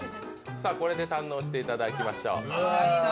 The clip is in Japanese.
これで堪能していただきましょう。